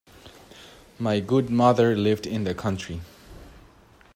My good mother lived in the country.